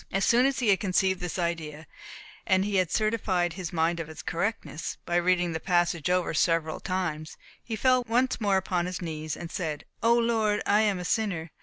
As soon as he had conceived this idea, and had certified his mind of its correctness, by reading the passage over several times, he fell once more upon his knees, and said, "O Lord, I am a sinner.